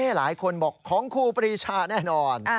หลายคนบอกของครูปรีชาแน่นอน